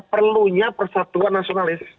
perlunya persatuan nasionalis